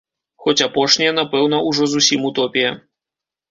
Хоць апошняе, напэўна, ужо зусім утопія.